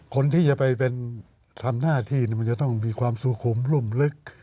คนที่จะไปเป็นทำหน้าที่มันจะต้องมีความสุขุมรุ่มลึก